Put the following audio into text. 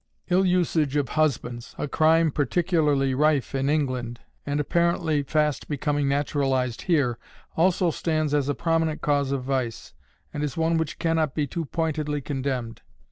"Ill usage of husbands," a crime particularly rife in England, and apparently fast becoming naturalized here, also stands as a prominent cause of vice, and is one which can not be too pointedly condemned.